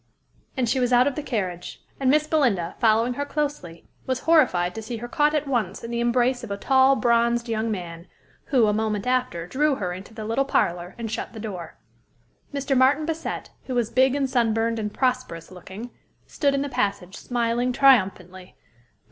And she was out of the carriage; and Miss Belinda, following her closely, was horrified to see her caught at once in the embrace of a tall, bronzed young man, who, a moment after, drew her into the little parlor, and shut the door. Mr. Martin Bassett, who was big and sunburned, and prosperous looking, stood in the passage, smiling triumphantly.